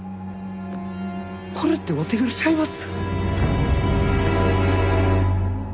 これってお手柄ちゃいます？